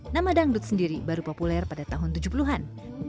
nama dangdut sendiri baru populer pada tahun tujuh puluh an